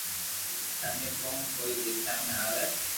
ٿني ڪون ڪوئي ديکيا ۾ آوي